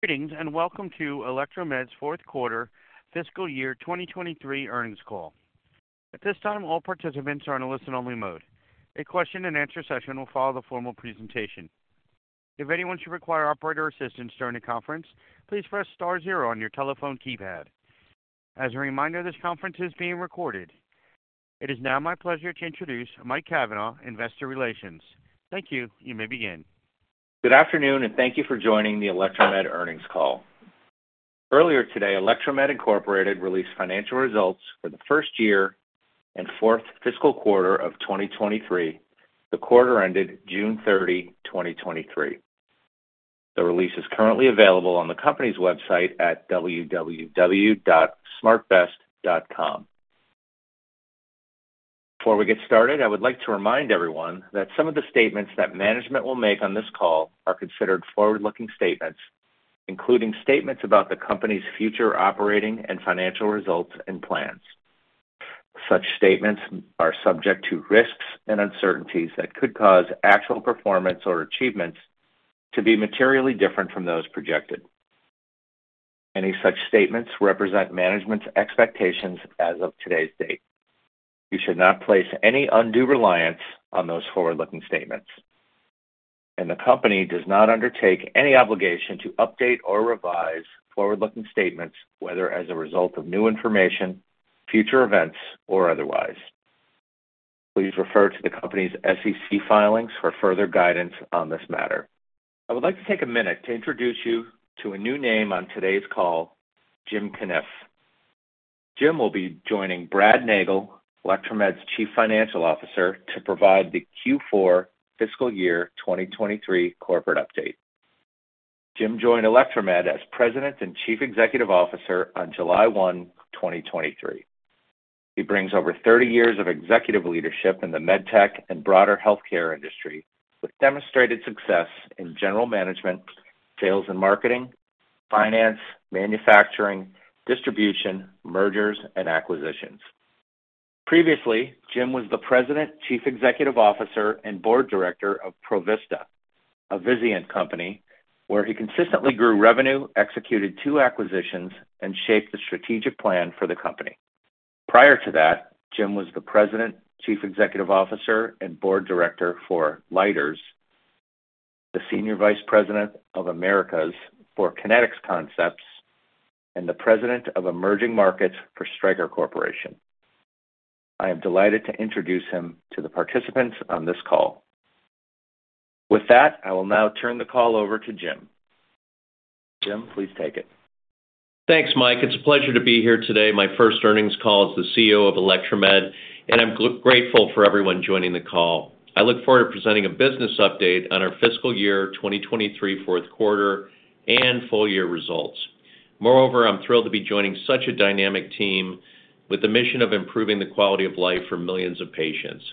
Greetings, and welcome to Electromed's 4th quarter fiscal year 2023 earnings call. At this time, all participants are in a listen-only mode. A question-and-answer session will follow the formal presentation. If anyone should require operator assistance during the conference, please press star zero on your telephone keypad. As a reminder, this conference is being recorded. It is now my pleasure to introduce Mike Cavanaugh, Investor Relations. Thank you. You may begin. Good afternoon. Thank you for joining the Electromed earnings call. Earlier today, Electromed, Inc. released financial results for the full year and fourth fiscal quarter of 2023, the quarter ended June 30, 2023. The release is currently available on the company's website at www.smartvest.com. Before we get started, I would like to remind everyone that some of the statements that management will make on this call are considered forward-looking statements, including statements about the company's future operating and financial results and plans. Such statements are subject to risks and uncertainties that could cause actual performance or achievements to be materially different from those projected. Any such statements represent management's expectations as of today's date. You should not place any undue reliance on those forward-looking statements, and the company does not undertake any obligation to update or revise forward-looking statements, whether as a result of new information, future events, or otherwise. Please refer to the company's SEC filings for further guidance on this matter. I would like to take a minute to introduce you to a new name on today's call, Jim Cunniff. Jim will be joining Brad Nagel, Electromed's Chief Financial Officer, to provide the Q4 fiscal year 2023 corporate update. Jim joined Electromed as President and Chief Executive Officer on July 1, 2023. He brings over 30 years of executive leadership in the medtech and broader healthcare industry, with demonstrated success in general management, sales and marketing, finance, manufacturing, distribution, mergers, and acquisitions. Previously, Jim was the President, Chief Executive Officer, and Board Director of Provista, a Vizient company, where he consistently grew revenue, executed two acquisitions, and shaped the strategic plan for the company. Prior to that, Jim was the President, Chief Executive Officer, and Board Director for Leiters, the Senior Vice President of Americas for Kinetic Concepts, and the President of Emerging Markets for Stryker Corporation. I am delighted to introduce him to the participants on this call. With that, I will now turn the call over to Jim. Jim, please take it. Thanks, Mike. It's a pleasure to be here today, my first earnings call as the CEO of Electromed, and I'm grateful for everyone joining the call. I look forward to presenting a business update on our fiscal year 2023, fourth quarter, and full year results. Moreover, I'm thrilled to be joining such a dynamic team with the mission of improving the quality of life for millions of patients.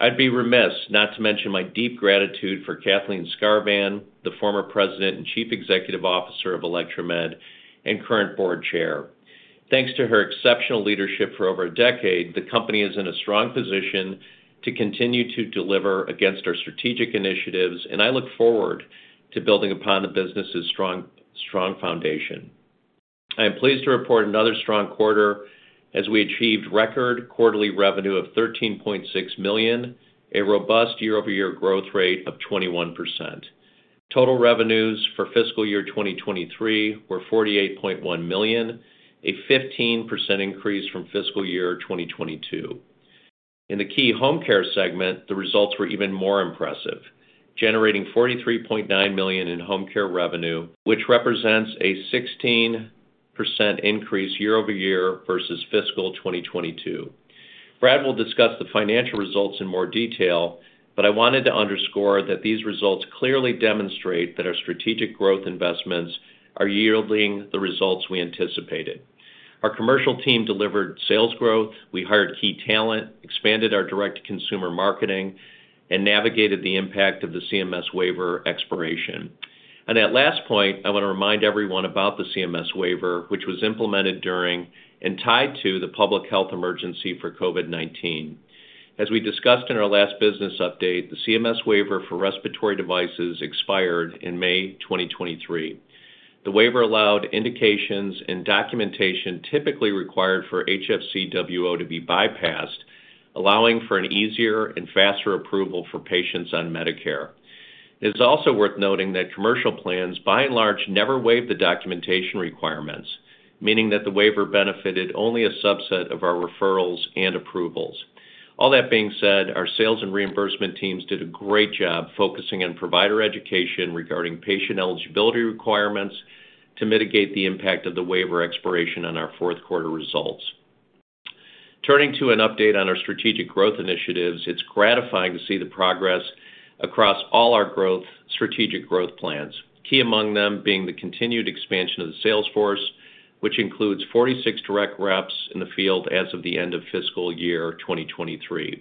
I'd be remiss not to mention my deep gratitude for Kathleen Skarvan, the former President and Chief Executive Officer of Electromed and current Board Chair. Thanks to her exceptional leadership for over a decade, the company is in a strong position to continue to deliver against our strategic initiatives, and I look forward to building upon the business's strong, strong foundation. I am pleased to report another strong quarter as we achieved record quarterly revenue of $13.6 million, a robust year-over-year growth rate of 21%. Total revenues for fiscal year 2023 were $48.1 million, a 15% increase from fiscal year 2022. In the key home care segment, the results were even more impressive, generating $43.9 million in home care revenue, which represents a 16% increase year-over-year versus fiscal 2022. Brad will discuss the financial results in more detail, but I wanted to underscore that these results clearly demonstrate that our strategic growth investments are yielding the results we anticipated. Our commercial team delivered sales growth, we hired key talent, expanded our direct-to-consumer marketing, and navigated the impact of the CMS waiver expiration. On that last point, I want to remind everyone about the CMS waiver, which was implemented during and tied to the public health emergency for COVID-19. As we discussed in our last business update, the CMS waiver for respiratory devices expired in May 2023. The waiver allowed indications and documentation typically required for HFCWO to be bypassed, allowing for an easier and faster approval for patients on Medicare. It's also worth noting that commercial plans, by and large, never waived the documentation requirements, meaning that the waiver benefited only a subset of our referrals and approvals. All that being said, our sales and reimbursement teams did a great job focusing on provider education regarding patient eligibility requirements to mitigate the impact of the waiver expiration on our fourth quarter results. Turning to an update on our strategic growth initiatives, it's gratifying to see the progress across all our growth-- strategic growth plans. Key among them being the continued expansion of the sales force, which includes 46 direct reps in the field as of the end of fiscal year 2023.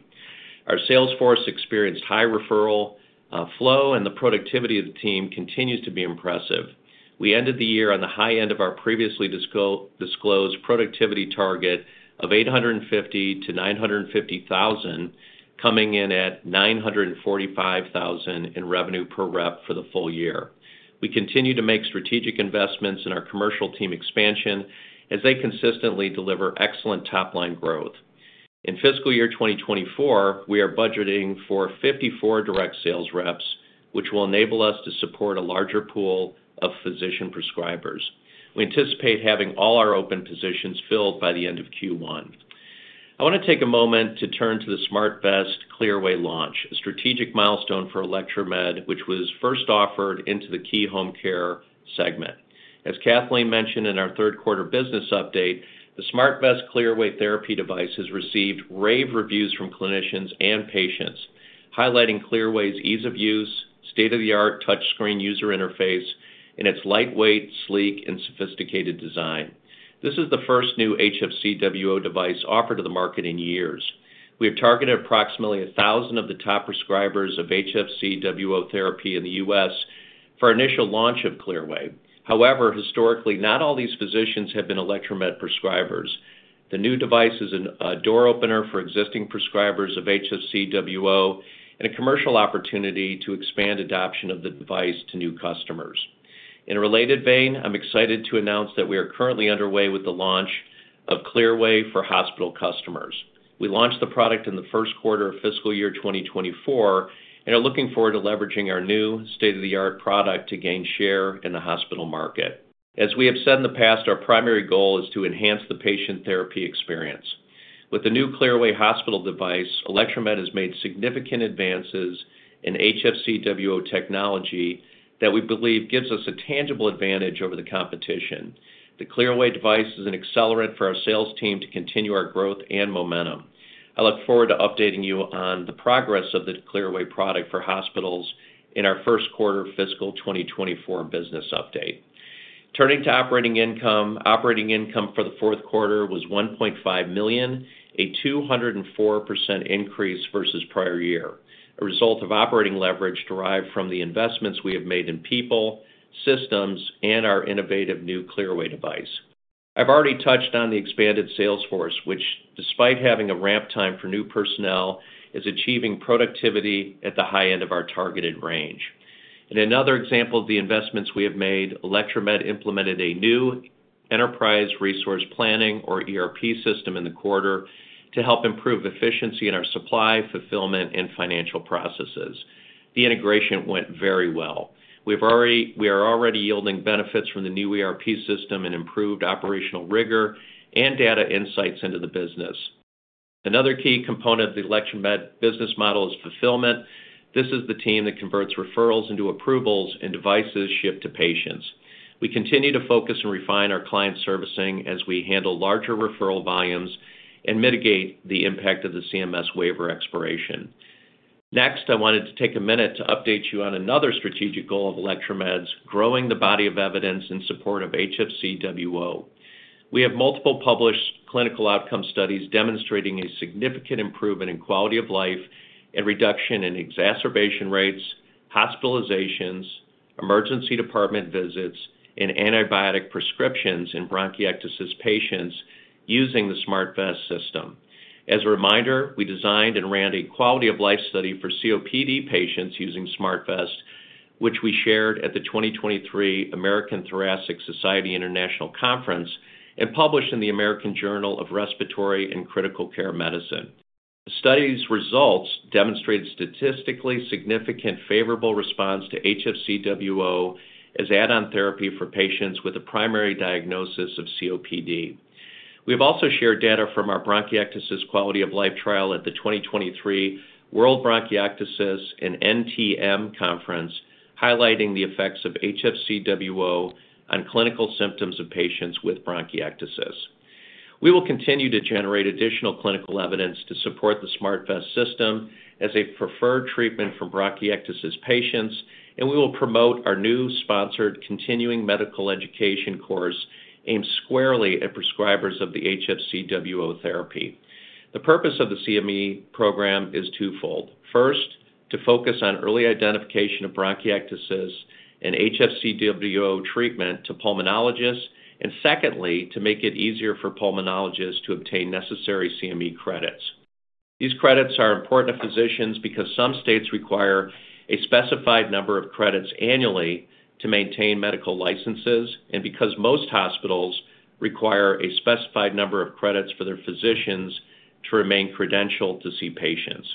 Our sales force experienced high referral flow, and the productivity of the team continues to be impressive. We ended the year on the high end of our previously disclosed productivity target of $850,000-$950,000, coming in at $945,000 in revenue per rep for the full year. We continue to make strategic investments in our commercial team expansion as they consistently deliver excellent top-line growth. In fiscal year 2024, we are budgeting for 54 direct sales reps, which will enable us to support a larger pool of physician prescribers. We anticipate having all our open positions filled by the end of Q1. I wanna take a moment to turn to the SmartVest Clearway launch, a strategic milestone for Electromed, which was first offered into the key home care segment. As Kathleen mentioned in our third quarter business update, the SmartVest Clearway therapy device has received rave reviews from clinicians and patients, highlighting Clearway's ease of use, state-of-the-art touchscreen user interface, and its lightweight, sleek, and sophisticated design. This is the first new HFCWO device offered to the market in years. We have targeted approximately 1,000 of the top prescribers of HFCWO therapy in the U.S. for initial launch of Clearway. However, historically, not all these physicians have been Electromed prescribers. The new device is a door opener for existing prescribers of HFCWO and a commercial opportunity to expand adoption of the device to new customers. In a related vein, I'm excited to announce that we are currently underway with the launch of Clearway for hospital customers. We launched the product in the first quarter of fiscal year 2024, and are looking forward to leveraging our new state-of-the-art product to gain share in the hospital market. As we have said in the past, our primary goal is to enhance the patient therapy experience. With the new Clearway hospital device, Electromed has made significant advances in HFCWO technology that we believe gives us a tangible advantage over the competition. The Clearway device is an accelerant for our sales team to continue our growth and momentum. I look forward to updating you on the progress of the Clearway product for hospitals in our first quarter fiscal 2024 business update. Turning to operating income. Operating income for the fourth quarter was $1.5 million, a 204% increase versus prior year, a result of operating leverage derived from the investments we have made in people, systems, and our innovative new Clearway device. I've already touched on the expanded sales force, which, despite having a ramp time for new personnel, is achieving productivity at the high end of our targeted range. In another example of the investments we have made, Electromed implemented a new enterprise resource planning, or ERP, system in the quarter to help improve efficiency in our supply, fulfillment, and financial processes. The integration went very well. We are already yielding benefits from the new ERP system and improved operational rigor and data insights into the business. Another key component of the Electromed business model is fulfillment. This is the team that converts referrals into approvals and devices shipped to patients. We continue to focus and refine our client servicing as we handle larger referral volumes and mitigate the impact of the CMS waiver expiration. Next, I wanted to take a minute to update you on another strategic goal of Electromed's, growing the body of evidence in support of HFCWO. We have multiple published clinical outcome studies demonstrating a significant improvement in quality of life and reduction in exacerbation rates, hospitalizations, emergency department visits, and antibiotic prescriptions in bronchiectasis patients using the SmartVest system. As a reminder, we designed and ran a quality-of-life study for COPD patients using SmartVest, which we shared at the 2023 American Thoracic Society International Conference and published in the American Journal of Respiratory and Critical Care Medicine. The study's results demonstrated statistically significant favorable response to HFCWO as add-on therapy for patients with a primary diagnosis of COPD. We have also shared data from our bronchiectasis quality-of-life trial at the 2023 World Bronchiectasis and NTM Conference, highlighting the effects of HFCWO on clinical symptoms of patients with bronchiectasis. We will continue to generate additional clinical evidence to support the SmartVest system as a preferred treatment for bronchiectasis patients, and we will promote our new sponsored continuing medical education course aimed squarely at prescribers of the HFCWO therapy. The purpose of the CME program is twofold. First, to focus on early identification of bronchiectasis and HFCWO treatment to pulmonologists. Secondly, to make it easier for pulmonologists to obtain necessary CME credits. These credits are important to physicians because some states require a specified number of credits annually to maintain medical licenses and because most hospitals require a specified number of credits for their physicians to remain credentialed to see patients.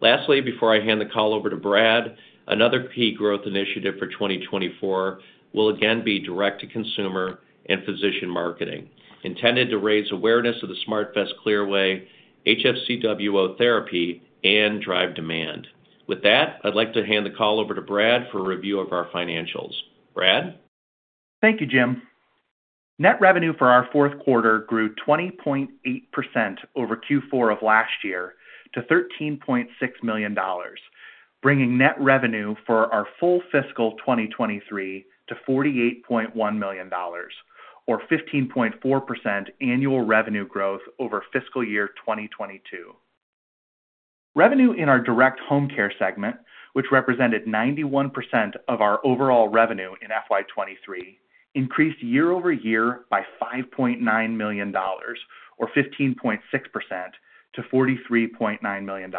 Lastly, before I hand the call over to Brad, another key growth initiative for 2024 will again be direct-to-consumer and physician marketing, intended to raise awareness of the SmartVest Clearway HFCWO therapy and drive demand. With that, I'd like to hand the call over to Brad for a review of our financials. Brad? Thank you, Jim. Net revenue for our fourth quarter grew 20.8% over Q4 of last year to $13.6 million, bringing net revenue for our full fiscal 2023 to $48.1 million, or 15.4% annual revenue growth over fiscal year 2022. Revenue in our direct home care segment, which represented 91% of our overall revenue in FY 2023, increased year-over-year by $5.9 million, or 15.6% to $43.9 million.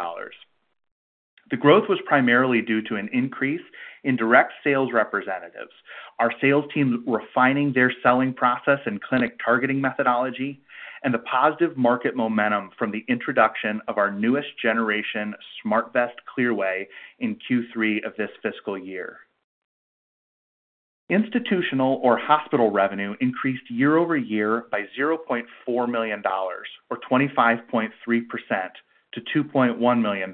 The growth was primarily due to an increase in direct sales representatives. Our sales teams refining their selling process and clinic targeting methodology, and the positive market momentum from the introduction of our newest generation, SmartVest Clearway, in Q3 of this fiscal year. Institutional or hospital revenue increased year-over-year by $0.4 million, or 25.3% to $2.1 million.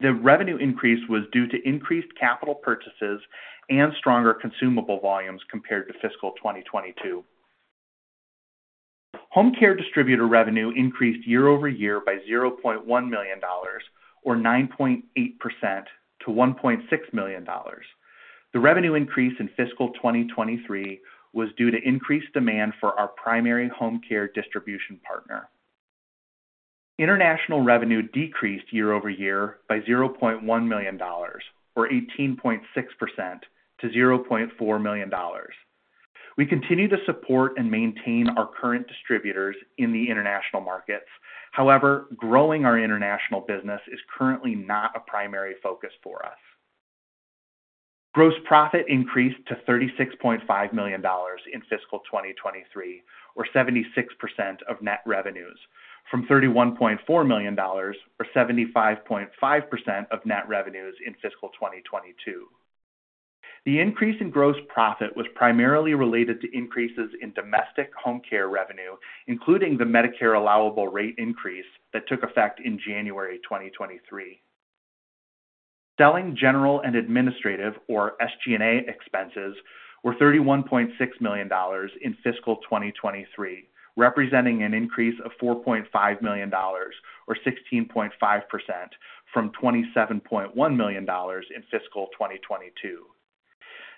The revenue increase was due to increased capital purchases and stronger consumable volumes compared to fiscal 2022. Home care distributor revenue increased year-over-year by $0.1 million, or 9.8% to $1.6 million. The revenue increase in fiscal 2023 was due to increased demand for our primary home care distribution partner. International revenue decreased year-over-year by $0.1 million, or 18.6% to $0.4 million. We continue to support and maintain our current distributors in the international markets. However, growing our international business is currently not a primary focus for us. Gross profit increased to $36.5 million in fiscal 2023, or 76% of net revenues, from $31.4 million, or 75.5% of net revenues in fiscal 2022. The increase in gross profit was primarily related to increases in domestic home care revenue, including the Medicare allowable rate increase that took effect in January 2023. Selling, general, and administrative or SG&A expenses were $31.6 million in fiscal 2023, representing an increase of $4.5 million or 16.5% from $27.1 million in fiscal 2022.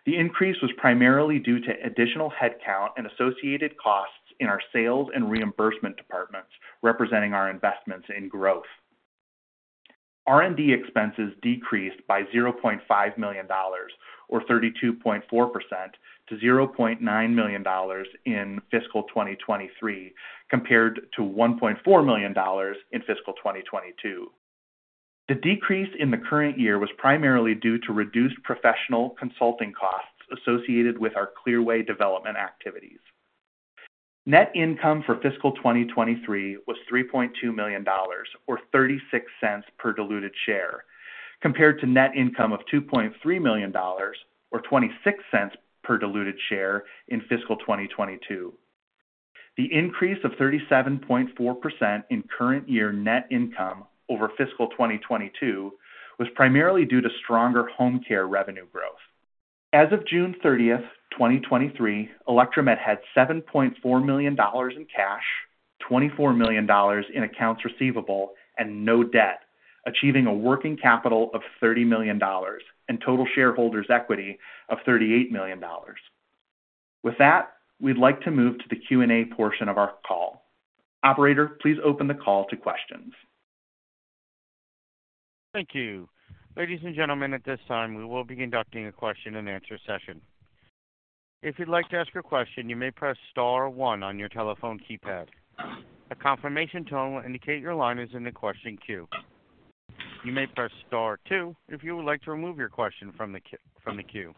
The increase was primarily due to additional headcount and associated costs in our sales and reimbursement departments, representing our investments in growth. R&D expenses decreased by $0.5 million, or 32.4% to $0.9 million in fiscal 2023, compared to $1.4 million in fiscal 2022. The decrease in the current year was primarily due to reduced professional consulting costs associated with our Clearway development activities. Net income for fiscal 2023 was $3.2 million, or $0.36 per diluted share, compared to net income of $2.3 million or $0.26 per diluted share in fiscal 2022. The increase of 37.4% in current year net income over fiscal 2022 was primarily due to stronger home care revenue growth. As of June 30th, 2023, Electromed had $7.4 million in cash, $24 million in accounts receivable, and no debt, achieving a working capital of $30 million and total shareholders equity of $38 million. With that, we'd like to move to the Q&A portion of our call. Operator, please open the call to questions. Thank you. Ladies and gentlemen, at this time, we will be conducting a question and answer session. If you'd like to ask a question, you may press star one on your telephone keypad. A confirmation tone will indicate your line is in the question queue. You may press star two if you would like to remove your question from the queue.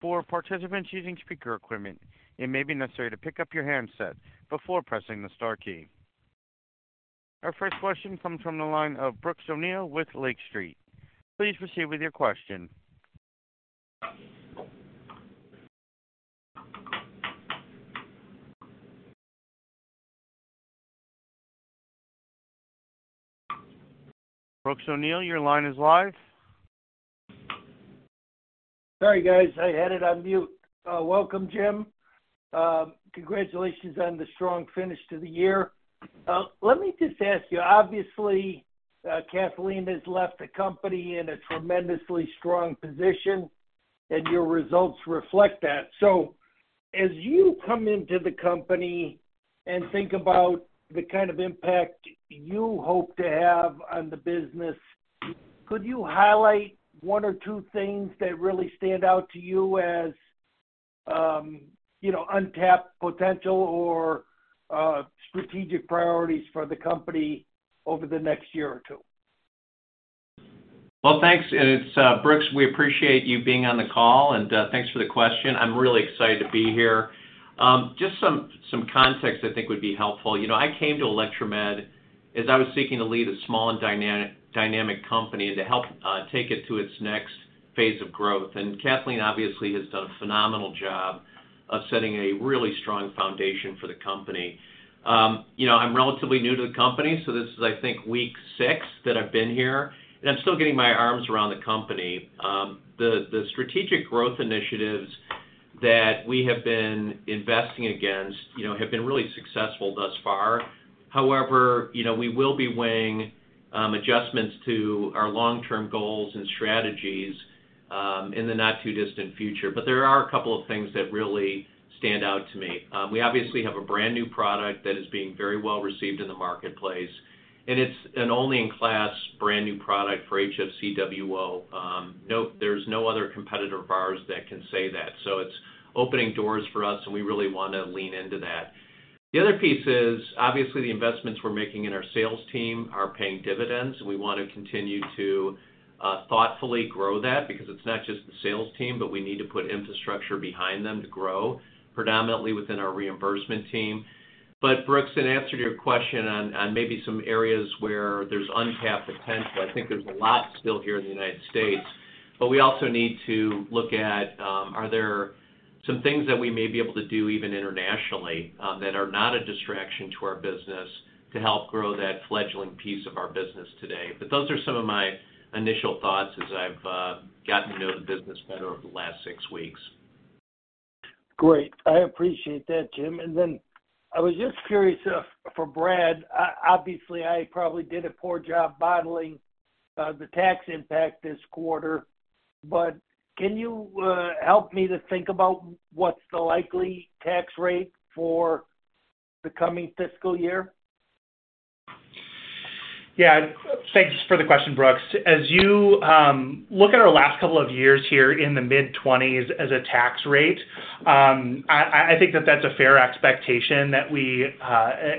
For participants using speaker equipment, it may be necessary to pick up your handset before pressing the star key. Our first question comes from the line of Brooks O'Neil with Lake Street. Please proceed with your question. Brooks O'Neil, your line is live. Sorry, guys, I had it on mute. Welcome, Jim. Congratulations on the strong finish to the year. Let me just ask you. Obviously, Kathleen has left the company in a tremendously strong position, and your results reflect that. As you come into the company and think about the kind of impact you hope to have on the business, could you highlight one or two things that really stand out to you as, you know, untapped potential or strategic priorities for the company over the next year or two? Well, thanks, and it's Brooks, we appreciate you being on the call, and thanks for the question. I'm really excited to be here. Just some, some context I think would be helpful. You know, I came to Electromed as I was seeking to lead a small and dynamic, dynamic company to help take it to its next phase of growth. Kathleen obviously has done a phenomenal job of setting a really strong foundation for the company. You know, I'm relatively new to the company, so this is, I think, week six that I've been here, and I'm still getting my arms around the company. The, the strategic growth initiatives that we have been investing against, you know, have been really successful thus far. You know, we will be weighing adjustments to our long-term goals and strategies in the not-too-distant future. There are a couple of things that really stand out to me. We obviously have a brand-new product that is being very well received in the marketplace, and it's an only-in-class, brand-new product for HFCWO. No-- there's no other competitor of ours that can say that, so it's opening doors for us, and we really wanna lean into that. The other piece is, obviously, the investments we're making in our sales team are paying dividends, and we want to continue to thoughtfully grow that because it's not just the sales team, but we need to put infrastructure behind them to grow, predominantly within our reimbursement team. Brooks, in answer to your question on, on maybe some areas where there's untapped potential, I think there's a lot still here in the United States, but we also need to look at, are there some things that we may be able to do, even internationally, that are not a distraction to our business, to help grow that fledgling piece of our business today? Those are some of my initial thoughts as I've gotten to know the business better over the last six weeks. Great. I appreciate that, Jim. I was just curious, for Brad, obviously, I probably did a poor job modeling, the tax impact this quarter, but can you help me to think about what's the likely tax rate for the coming fiscal year? Yeah. Thanks for the question, Brooks. As you look at our last couple of years here in the mid-20s as a tax rate, I, I, I think that that's a fair expectation that we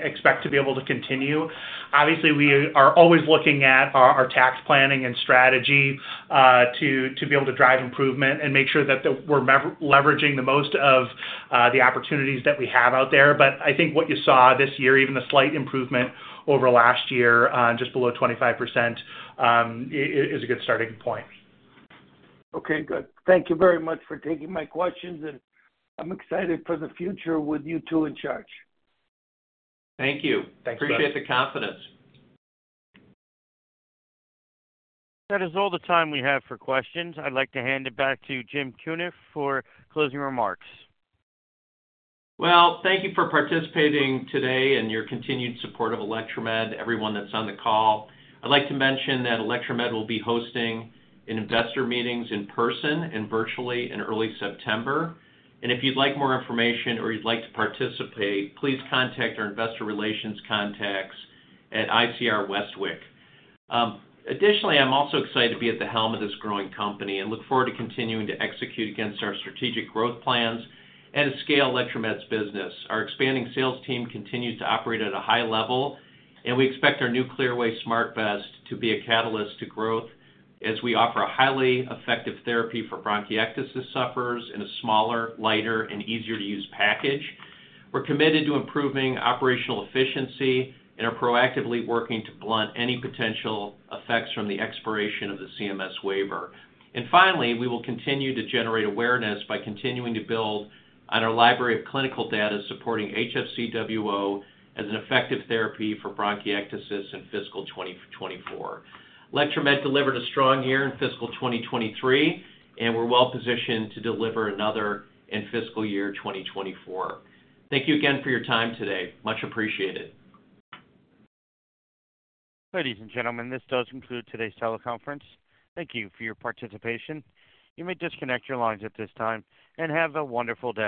expect to be able to continue. Obviously, we are always looking at our, our tax planning and strategy to to be able to drive improvement and make sure that the... We're lever- leveraging the most of the opportunities that we have out there. I think what you saw this year, even the slight improvement over last year, just below 25%, is, is a good starting point. Okay, good. Thank you very much for taking my questions, and I'm excited for the future with you two in charge. Thank you. Thanks, Brooks. Appreciate the confidence. That is all the time we have for questions. I'd like to hand it back to Jim Cunniff for closing remarks. Thank you for participating today and your continued support of Electromed, everyone that's on the call. I'd like to mention that Electromed will be hosting an investor meetings in person and virtually in early September, and if you'd like more information or you'd like to participate, please contact our investor relations contacts at ICR Westwicke. Additionally, I'm also excited to be at the helm of this growing company and look forward to continuing to execute against our strategic growth plans and scale Electromed's business. Our expanding sales team continues to operate at a high level, and we expect our new SmartVest Clearway to be a catalyst to growth as we offer a highly effective therapy for bronchiectasis sufferers in a smaller, lighter, and easier-to-use package. We're committed to improving operational efficiency and are proactively working to blunt any potential effects from the expiration of the CMS waiver. Finally, we will continue to generate awareness by continuing to build on our library of clinical data supporting HFCWO as an effective therapy for bronchiectasis in fiscal 2024. Electromed delivered a strong year in fiscal 2023, and we're well positioned to deliver another in fiscal year 2024. Thank you again for your time today. Much appreciated. Ladies and gentlemen, this does conclude today's teleconference. Thank you for your participation. You may disconnect your lines at this time, and have a wonderful day.